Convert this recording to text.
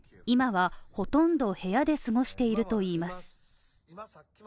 今はほとんど部屋で過ごしているといいます。